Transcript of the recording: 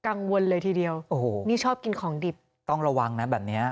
กังวลเลยทีเดียวโอ้โหนี่ชอบกินของดิบต้องระวังนะแบบเนี้ย